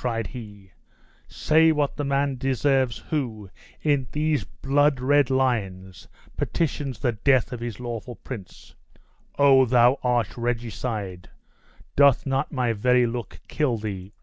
cried he, "say what the man deserves who, in these blood red lines, petitions the death of his lawful prince! Oh! thou arch regicide! Doth not my very look kill thee?"